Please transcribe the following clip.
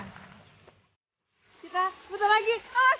kita buta lagi